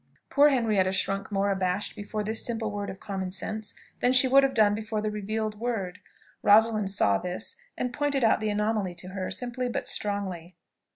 Poor Henrietta shrunk more abashed before this simple word of common sense, than she would have done before the revealed word. Rosalind saw this, and pointed out the anomaly to her, simply, but strongly.